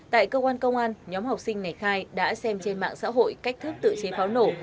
tại cơ quan công an nhóm học sinh này khai đã xem trên mạng xã hội cách thức tự chế pháo nổ